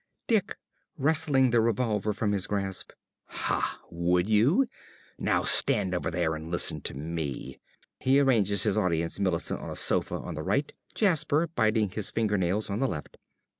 ~Dick~ (wresting the revolver from his grasp). Ha, would you? Now stand over there and listen to me. (He arranges his audience, Millicent _on a sofa on the right, Jasper, biting his finger nails, on the left.